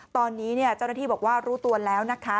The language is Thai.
ตอนนี้เจ้าหน้าที่บอกว่ารู้ตัวแล้วนะคะ